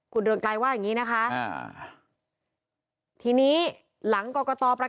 คุณเริงไกลว่าอย่างนี้นะคะอ่า